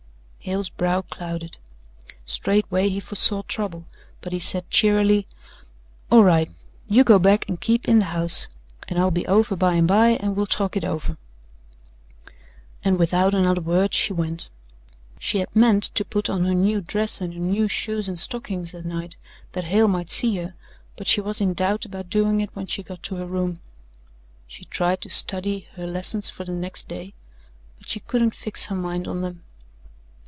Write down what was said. Hale's brow clouded. Straightway he foresaw trouble but he said cheerily: "All right. You go back and keep in the house and I'll be over by and by and we'll talk it over." And, without another word, she went. She had meant to put on her new dress and her new shoes and stockings that night that Hale might see her but she was in doubt about doing it when she got to her room. She tried to study her lessons for the next day, but she couldn't fix her mind on them.